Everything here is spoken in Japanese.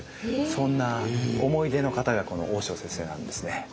そんな思い出の方がこの大塩先生なんですね。